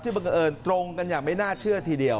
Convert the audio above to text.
บังเอิญตรงกันอย่างไม่น่าเชื่อทีเดียว